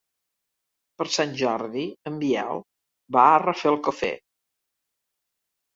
Per Sant Jordi en Biel va a Rafelcofer.